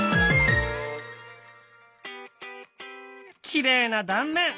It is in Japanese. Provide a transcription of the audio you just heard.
きれいな断面。